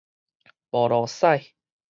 無路使